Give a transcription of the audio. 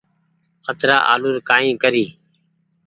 اترآ آلو ر ڪآئي ڪري ۔